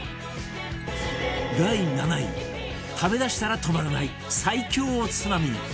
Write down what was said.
第７位食べだしたら止まらない最強おつまみ